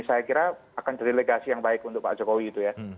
saya kira akan jadi legasi yang baik untuk pak jokowi itu ya